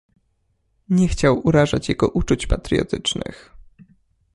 Nie chciał urażać jego uczuć patriotycznych.